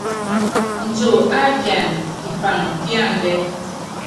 Nco á pian pipaŋ píandɛ́.